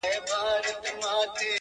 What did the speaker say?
• خو بس دا ستا تصوير به كور وران كړو ـ